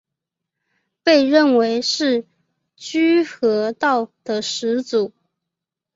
被认为是居合道的始祖。